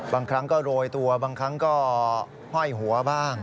บางครั้งก็โรยตัวบางครั้งก็ห้อยหัวบ้าง